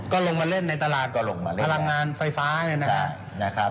ก็ลงมาเล่นในตลาดพลังงานไฟฟ้า